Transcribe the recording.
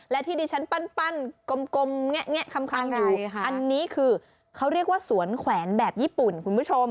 และที่ดิฉันปั้นกลมแงะคำอยู่อันนี้คือเขาเรียกว่าสวนแขวนแบบญี่ปุ่นคุณผู้ชม